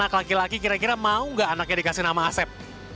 anak laki laki kira kira mau gak anaknya dikasih nama asep